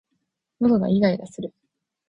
喉がいがいがする